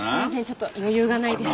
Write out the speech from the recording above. ちょっと余裕がないです。